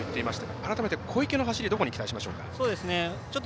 改めて、小池の走りどころに期待したいでしょうか。